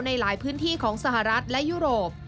ในหลายพื้นที่ของสหรัฐและยุโรป